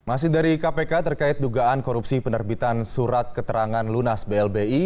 masih dari kpk terkait dugaan korupsi penerbitan surat keterangan lunas blbi